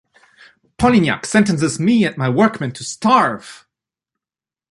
Polignac sentences me and my workmen to starve!